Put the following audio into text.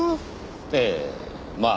ええまあ。